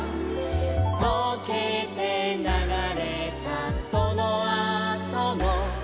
「とけてながれたそのあとも」